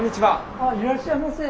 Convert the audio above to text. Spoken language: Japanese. あっいらっしゃいませ。